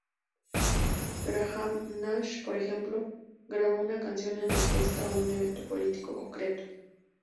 Graham Nash, por ejemplo, grabó una canción en respuesta a un evento político concreto.